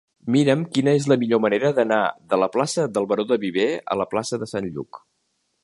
Mira'm quina és la millor manera d'anar de la plaça del Baró de Viver a la plaça de Sant Lluc.